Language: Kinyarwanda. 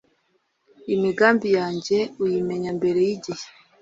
imigambi yanjye uyimenya mbere y'igihe